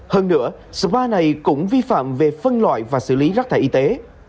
hơn nữa spa này cũng vi phạm về phân loại và xử lý rác thải y tế